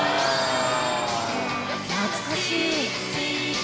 懐かしい。